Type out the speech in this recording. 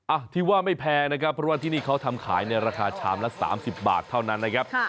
อ่ะที่ว่าไม่แพงนะครับเพราะว่าที่นี่เขาทำขายในราคาชามละ๓๐บาทเท่านั้นนะครับ